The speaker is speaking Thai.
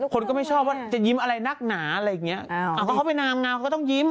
คนก็ไม่ชอบว่าจะยิ้มอะไรนักหนาอะไรอย่างเงี้ยอ่าก็เข้าไปนามเงาก็ต้องยิ้ม